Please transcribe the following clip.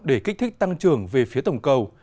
để kích thích tăng trưởng về phía tổng cầu